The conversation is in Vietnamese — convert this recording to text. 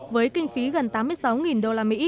với kinh phí gần tám mươi sáu usd